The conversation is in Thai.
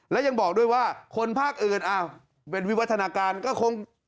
และยังบอกด้วยว่าคนภาคอื่นเป็นวิวัฒนาการก็คง